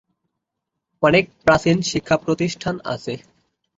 অনেক প্রাচীন শিক্ষা প্রতিষ্ঠান আছে।